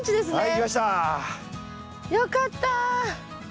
よかった。